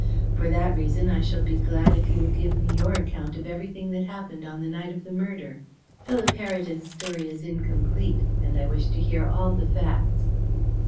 For that reason I shall be glad if you will give me your account of everything that happened on the night of the murder. Philip Heredith's story is incomplete, and I wish to hear all the facts."